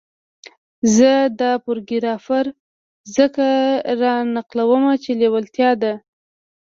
زه دا پاراګراف ځکه را نقلوم چې لېوالتیا ده.